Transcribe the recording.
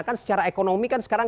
kan secara ekonomi kan sekarang